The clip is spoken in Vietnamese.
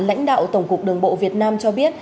lãnh đạo tổng cục đường bộ việt nam cho biết